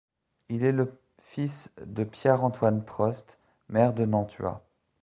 Il est le fils de Pierre-Antoine Prost, maire de Nantua.